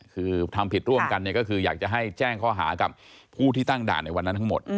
คือทำผิดร่วมกันเนี่ยก็คืออยากจะให้แจ้งข้อหากับผู้ที่ตั้งด่านในวันนั้นทั้งหมด